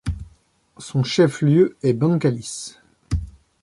Son chef-lieu est Bengkalis.